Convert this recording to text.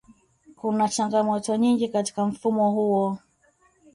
Kuna changamoto nyingi katika mfumo huo